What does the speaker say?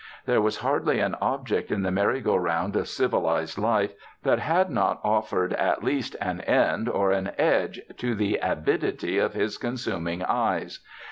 There was hardly an object in the merry go round of civilized life that had not offered at least an end or an edge to the avidity of his consuming eyes.